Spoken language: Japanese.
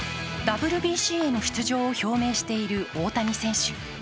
ＷＢＣへの出場を表明している大谷選手。